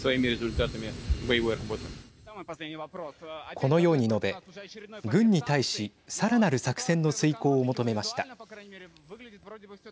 このように述べ、軍に対しさらなる作戦の遂行を求めました。